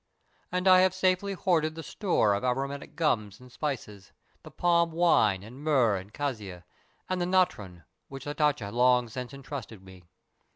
"And I have safely hoarded the store of aromatic gums and spices, the palm wine and myrrh and cassia, and the natron, with which Hatatcha long since entrusted me.